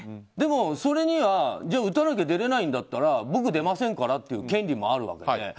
でも、それには打たなきゃ出られないんだったら僕、出ませんからっていう権利もあるわけで。